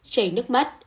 cháy nước mắt